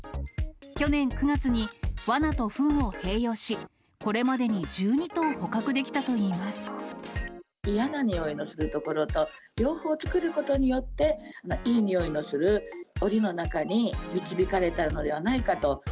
去年９月にわなとふんを併用し、これまでに１２頭捕獲できたとい嫌なにおいのする所と両方作ることによって、いいにおいのするおりの中に導かれたのではないかと。